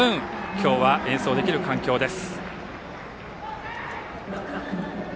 今日は演奏できる環境です。